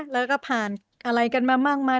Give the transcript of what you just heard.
แล้วก็ผ่านอะไรกันมามากมาย